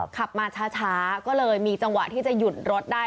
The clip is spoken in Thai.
ขับมาช้าก็เลยมีจังหวะที่จะหยุดรถได้